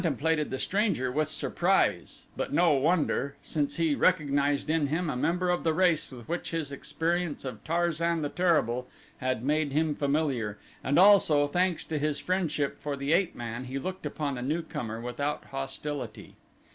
He contemplated the stranger with surprise but no wonder, since he recognized in him a member of the race with which his experience of Tarzan the Terrible had made him familiar and also, thanks to his friendship for the ape man, he looked upon the newcomer without hostility.